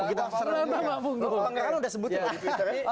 penggeraknya udah sebut juga di twitter ya